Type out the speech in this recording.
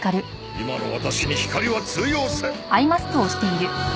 今のワタシに光は通用せん！